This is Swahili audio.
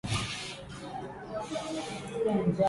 kufanya wilaya hiyo iliyo ndani ya Mkoa wa Geita kuwa Mkoa kamili